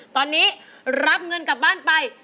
ตอนนี้รับเงินกลับบ้านไป